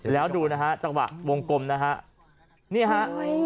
แล้วดูจังหวะวงกลมนะครับ